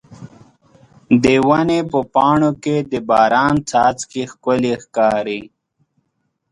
د ونې په پاڼو کې د باران څاڅکي ښکلي ښکاري.